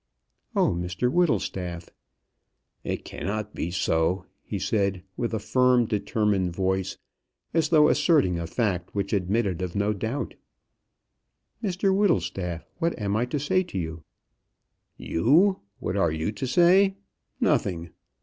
"Oh, Mr Whittlestaff!" "It cannot be so," he said, with a firm determined voice, as though asserting a fact which admitted no doubt. "Mr Whittlestaff, what am I to say to you?" "You! What are you to say? Nothing.